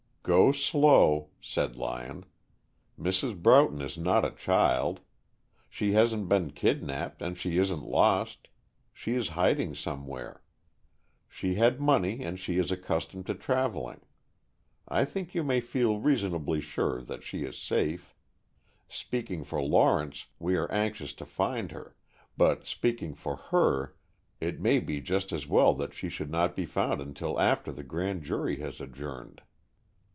"Go slow," said Lyon. "Mrs. Broughton is not a child. She hasn't been kidnapped and she isn't lost. She is hiding somewhere. She had money and she is accustomed to traveling. I think you may feel reasonably sure that she is safe. Speaking for Lawrence, we are anxious to find her, but speaking for her, it may be just as well that she should not be found until after the grand jury has adjourned."